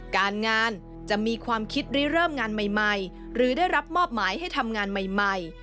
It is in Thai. การงานจะมีความคิดหรือเริ่มงานใหม่หรือได้รับมอบหมายให้ทำงานใหม่